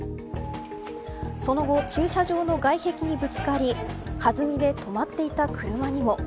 その後、駐車場の外壁にぶつかり弾みで止まっていた車にも。